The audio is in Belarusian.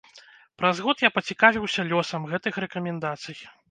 Праз год я пацікавіўся лёсам гэтых рэкамендацый.